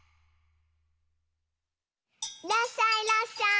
いらっしゃいいらっしゃい！